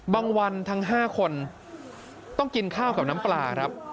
วันทั้ง๕คนต้องกินข้าวกับน้ำปลาครับ